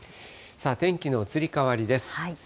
天気の移り変わりです。